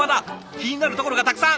気になるところがたくさん。